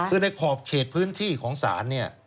คือในขอบเขตพื้นที่ของสาร